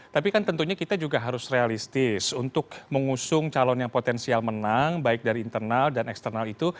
tapi kan tentunya kita juga harus realistis untuk mengusung calon yang potensial menang baik dari internal dan eksternal itu